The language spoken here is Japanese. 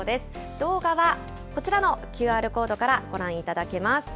動画はこちらのＱＲコードからご覧いただけます。